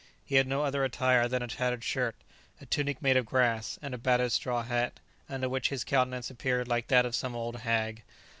He had no other attire than a tattered shirt, a tunic made of grass, and a battered straw hat, under which his countenance appeared like that of some old hag.